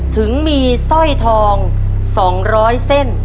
ถึงมีสร้อยทองสองร้อยเส้น